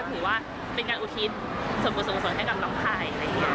ก็ถือว่าเป็นการอุทิศส่วนให้กับน้องไทย